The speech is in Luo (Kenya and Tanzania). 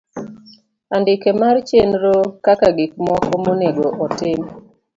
Andike mar chenro kaka gik moko monego otim.